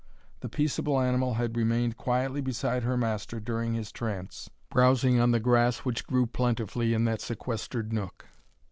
The peaceable animal had remained quietly beside her master during his trance, browsing on the grass which grew plentifully in that sequestered nook.